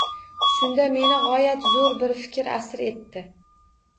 Shunda meni g`oyat zo`r bir fikr asir etdi